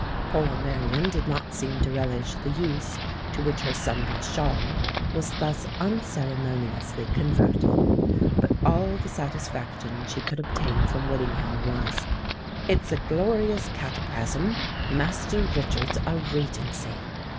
Poor Marian did not seem to relish the use to which her Sunday shawl was thus unceremoniously converted; but all the satisfaction she could obtain from Whittingham was, '_It's a glorious cataplasm! Master Richard's a Regency!